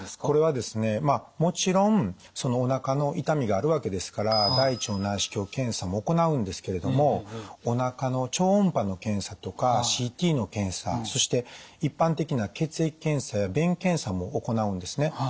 これはですねもちろんそのおなかの痛みがあるわけですから大腸内視鏡検査も行うんですけれどもおなかの超音波の検査とかＣＴの検査そして一般的な血液検査や便検査も行うんですね。